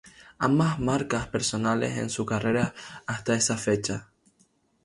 Ambas marcas personales en su carrera hasta esa fecha.